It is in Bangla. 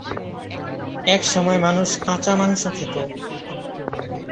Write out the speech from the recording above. একসময় মানুষ কাঁচা মাংস খেত।